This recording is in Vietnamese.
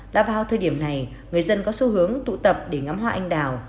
đã vào thời điểm này người dân có xu hướng tụ tập để ngắm hoa anh đào